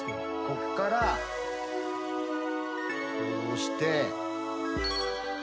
こっからこうして。